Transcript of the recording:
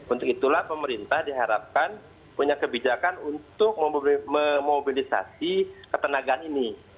untuk itulah pemerintah diharapkan punya kebijakan untuk memobilisasi ketenagaan ini